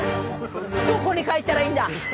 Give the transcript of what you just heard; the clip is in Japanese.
誰に書いたらいいんだ！？